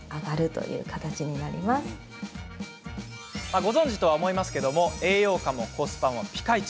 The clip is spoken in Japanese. ご存じとは思いますが栄養価もコスパもピカイチ。